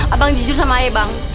abang jujur sama ayah bang